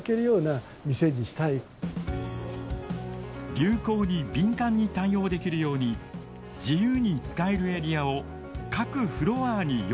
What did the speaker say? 流行に敏感に対応できるように自由に使えるエリアを各フロアに用意。